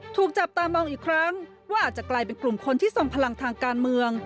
ถูกจับตามองอีกครั้งว่าอาจจะกลายเป็นกลุ่มคนที่ทรงพลังทางการเมือง